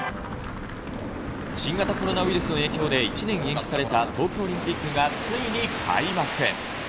新型コロナウイルスの影響で１年延期された東京オリンピックがついに開幕。